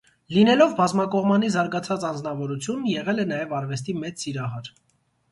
Լինելով բազմակողմանի զարգացած անձնավորություն՝ եղել է նաև արվեստի մեծ սիրահար։